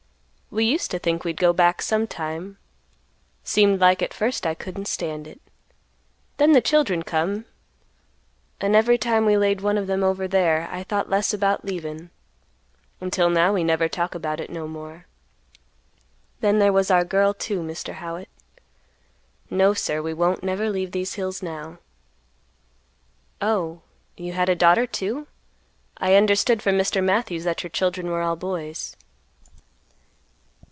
"We used to think we'd go back sometime; seemed like at first I couldn't stand it; then the children come, and every time we laid one of them over there I thought less about leavin', until now we never talk about it no more. Then there was our girl, too, Mr. Howitt. No, sir, we won't never leave these hills now." "Oh, you had a daughter, too? I understood from Mr. Matthews that your children were all boys."